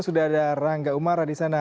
sudah ada rangga umara di sana